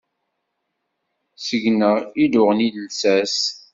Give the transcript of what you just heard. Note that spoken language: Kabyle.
Seg-neɣ i d-uɣen llsas.